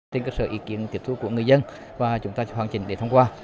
tên cơ sở ý kiến tiệt thu của người dân và chúng ta sẽ hoàn chỉnh để thông qua